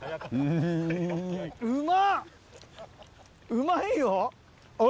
うまいよ！